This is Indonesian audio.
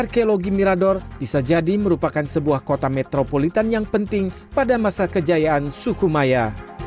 arkeologi mirador bisa jadi merupakan sebuah kota metropolitan yang penting pada masa kejayaan suku maya